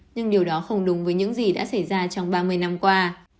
nhưng điều đó không đúng với những gì đã xảy ra trong ba mươi năm qua